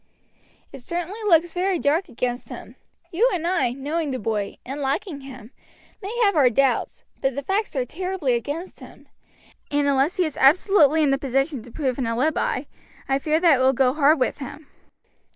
"It certainly looks very dark against him. You and I, knowing the boy, and liking him, may have our doubts, but the facts are terribly against him, and unless he is absolutely in the position to prove an alibi, I fear that it will go hard with him."